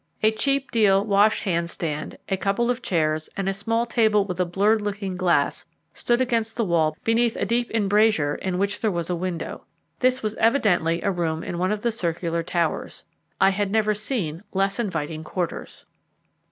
A cheap deal wash hand stand, a couple of chairs, and a small table with a blurred looking glass stood against the wall beneath a deep embrasure, in which there was a window. This was evidently a room in one of the circular towers. I had never seen less inviting quarters.